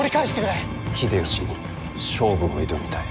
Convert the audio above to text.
秀吉に勝負を挑みたい。